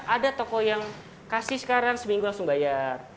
ada toko yang kasih sekarang seminggu langsung bayar